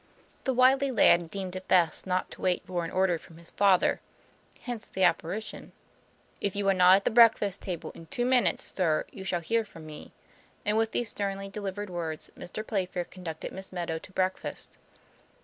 The wily lad deemed it best not to wait for an order from his father. Hence the apparition. ' If you are not at the breakfast table in two min utes, sir, you shall hear from me," and with these sternly delivered words Mr. Playfair conducted Miss Meadow to breakfast.